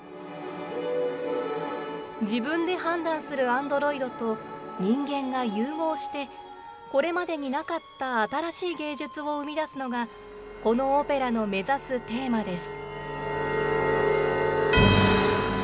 自分で判断するアンドロイドと人間が融合して、これまでになかった新しい芸術を生み出すのが、このオペラの目指すテーマです。